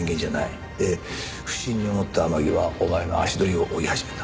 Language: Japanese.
で不審に思った天樹はお前の足取りを追い始めた。